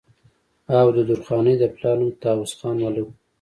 او د درخانۍ د پلار نوم طاوس خان ملک وو